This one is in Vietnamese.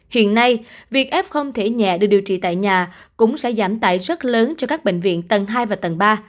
hiện nay việc f không thể nhẹ được điều trị tại nhà cũng sẽ giảm tải rất lớn cho các bệnh viện tầng hai và tầng ba